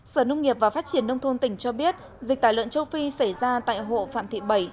sở nông nghiệp và phát triển nông thôn tỉnh cho biết dịch tả lợn châu phi xảy ra tại hộ phạm thị bảy